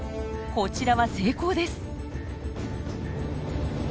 こちらは成功です！